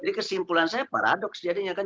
jadi kesimpulan saya paradoks jadinya kan